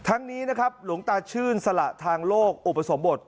นี้นะครับหลวงตาชื่นสละทางโลกอุปสมบท